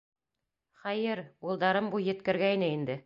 Хәйер, улдарым буй еткергәйне инде.